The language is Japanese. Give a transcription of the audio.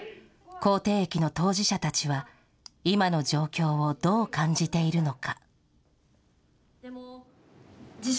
口蹄疫の当事者たちは、今の状況をどう感じているのか。